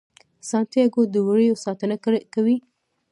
سانتیاګو د وریو ساتنه کوي.